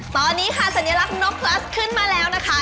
ตอนนี้ค่ะสัญลักษณ์นกพลัสขึ้นมาแล้วนะคะ